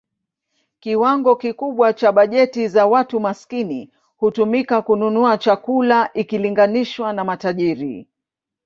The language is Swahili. Kiwango kikubwa cha bajeti za watu maskini hutumika kununua chakula ikilinganishwa na matajiri.